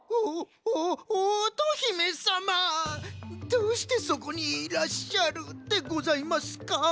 どうしてそこにいらっしゃるでございますか？